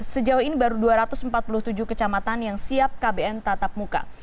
sejauh ini baru dua ratus empat puluh tujuh kecamatan yang siap kbn tatap muka